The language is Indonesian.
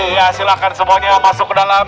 ya silahkan semuanya masuk ke dalam